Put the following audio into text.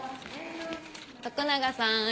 徳永さん